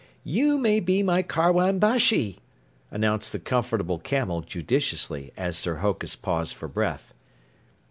"You may be my Karwan Bashi," announced the Comfortable Camel judiciously as Sir Hokus paused for breath.